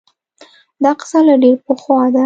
دا قصه له ډېر پخوا ده